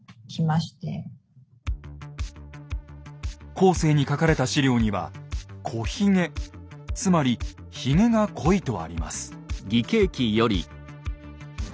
後世に書かれた資料には「こひげ」つまりひげが濃いとあります。